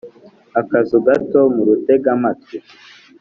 akazu gatoya mu rutegamatwi